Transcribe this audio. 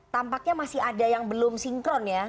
tampaknya masih ada yang belum sinkron ya